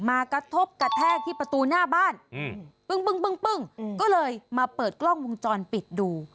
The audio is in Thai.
กระทบกระแทกที่ประตูหน้าบ้านปึ้งก็เลยมาเปิดกล้องวงจรปิดดู